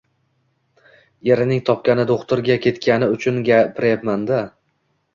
Erining topgani do`xtirgan ketgani uchun gapiryapman-da